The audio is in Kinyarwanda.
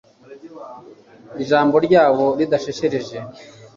ijambo ryabyo ridasheshereje